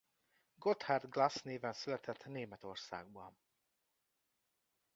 Gotthard Glass néven született Németországban.